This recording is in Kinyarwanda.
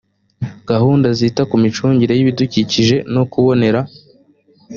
gahunda zita ku micungire y ibidukikije no kubonera